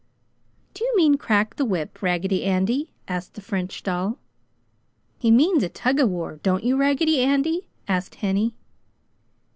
"Do you mean crack the whip, Raggedy Andy?" asked the French doll. "He means a tug of war, don't you, Raggedy Andy?" asked Henny.